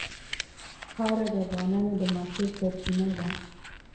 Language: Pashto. خاوره د افغانانو د معیشت سرچینه ده.